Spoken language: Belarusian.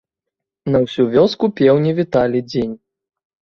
На ўсю вёску пеўні віталі дзень.